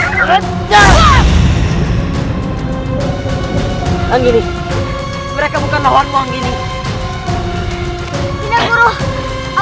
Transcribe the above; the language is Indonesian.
sekarang kalian prestasi keluarpp banyak ini juga